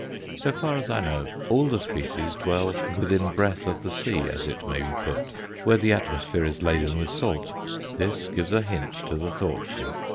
So far as I know, all the species dwell within breath of the sea, as it may be put, where the atmosphere is laden with salt; this gives a hint to the thoughtful.